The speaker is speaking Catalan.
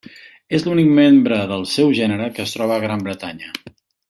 És l'únic membre del seu gènere que es troba a Gran Bretanya.